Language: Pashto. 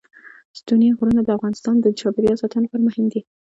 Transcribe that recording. ستوني غرونه د افغانستان د چاپیریال ساتنې لپاره مهم دي.